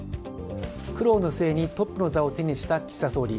苦労の末にトップの座を手にした岸田総理。